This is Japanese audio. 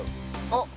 あっ。